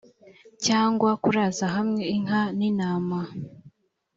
cyangwa kuraza hamwe inka n intama